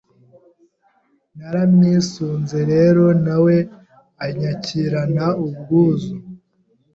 Naramwisunze rero na we anyakirana ubwuzu